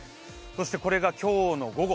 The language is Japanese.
これが今日の午後。